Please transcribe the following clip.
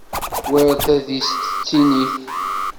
War tadist tettinit.